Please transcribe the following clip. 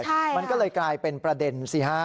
ใช่มันก็เลยกลายเป็นประเด็นสิฮะ